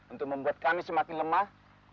untuk membuat kami semakin lemah